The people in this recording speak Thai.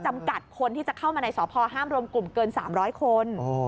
จำกัดคนที่จะเข้ามาในสพห้ามรวมกลุ่มเกิน๓๐๐คน